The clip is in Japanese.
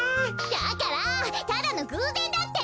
だからただのぐうぜんだって！